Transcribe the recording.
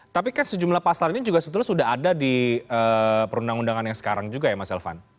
tapi kan sejumlah pasal ini juga sebetulnya sudah ada di perundang undangan yang sekarang juga ya mas elvan